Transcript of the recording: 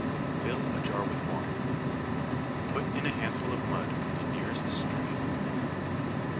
Fill a jar with water. Put in a handful of mud from the nearest stream.